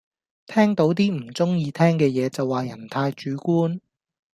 聽到啲唔鐘意聽嘅野就話人太主觀